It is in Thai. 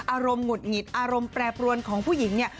หงุดหงิดอารมณ์แปรปรวนของผู้หญิงเนี่ย